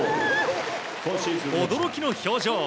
驚きの表情。